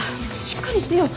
しっかりしてよ。